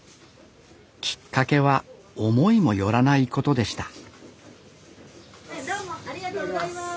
きっかけは思いもよらないことでしたどうもありがとうございます。